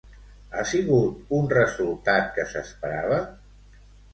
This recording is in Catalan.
Ha sigut un resultat que s'esperava?